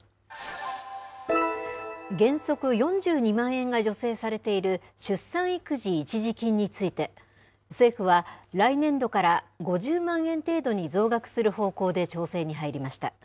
原則４２万円が助成されている出産育児一時金について、政府は来年度から５０万円程度に増額する方向で調整に入りました。